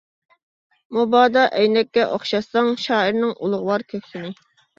مۇبادا ئەينەككە ئوخشاتساڭ، شائىرنىڭ ئۇلۇغۋار كۆكسىنى.